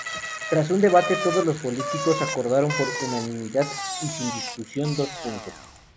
Tras un debate todos los políticos acordaron por unanimidad y sin discusión dos puntos.